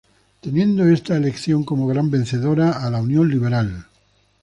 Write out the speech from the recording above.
Teniendo esta elección como gran vencedora a la Unión Liberal.